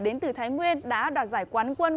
đến từ thái nguyên đã đạt giải quán quân